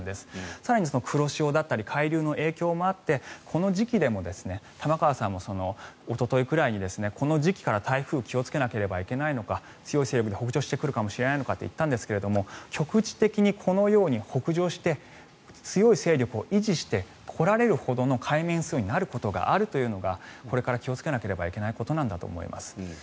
更に、黒潮だったり海流の影響もあってこの時期でも玉川さんもおとといくらいにこの時期から台風気をつけなければいけないのか強い勢力で北上してくるかもしれないのかと言ったんですが局地的にこのように北上して強い勢力を維持してこられるほどの海面水温になるというのがこれから気をつけなければいけないことだと思います。